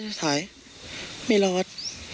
ถ้าสายไม่รอด